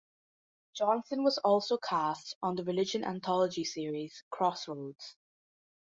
Johnson was also cast on the religion anthology series "Crossroads".